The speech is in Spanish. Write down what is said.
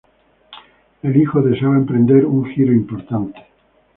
El hijo deseaba emprender un giro importante.